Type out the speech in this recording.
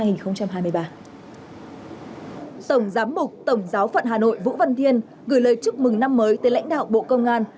tổng giám mục tổng giáo phận hà nội vũ văn thiên gửi lời chúc mừng năm mới tới lãnh đạo bộ công an